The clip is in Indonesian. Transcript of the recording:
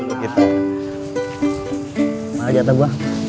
apa aja tabah